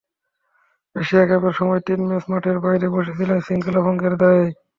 Asia কাপের সময় তিন ম্যাচ মাঠের বাইরে বসে ছিলেন শৃঙ্খলাভঙ্গের দায়েই।